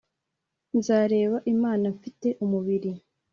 Nzareba Imana mfite umubiri